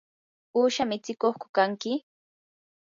¿uusha mitsikuqku kanki?